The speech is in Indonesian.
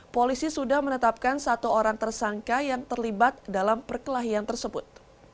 polisi sudah menetapkan satu orang tersangka yang terlibat dalam perkelahian tersebut